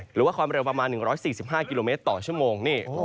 หรือว่าความเร็วประมาณ๑๔๕กิโลเมตรต่อชั่วโมง